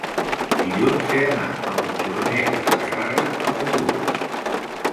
dilluns he d'anar a Montornès de Segarra amb autobús.